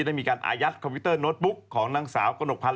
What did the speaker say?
ได้มีการอายัดคอมพิวเตอร์โน้ตบุ๊กของนางสาวกระหนกพันธ